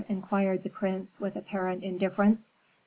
inquired the prince, with apparent indifference.